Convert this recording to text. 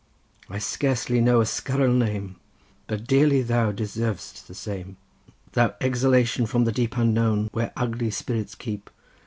I scarcely know a scurril name, But dearly thou deserv'st the same; Thou exhalation from the deep Unknown, where ugly spirits keep!